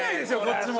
こっちも。